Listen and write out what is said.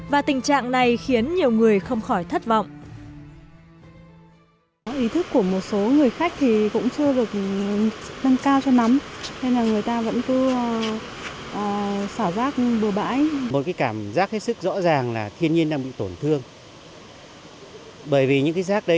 và tình trạng này khiến nhiều người không khỏi thất vọng